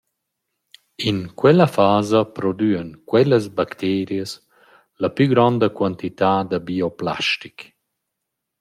In quella fasa prodüan quellas bacterias la plü gronda quantità da bioplastic.